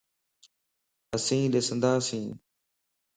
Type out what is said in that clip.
اسين ڏسنداسين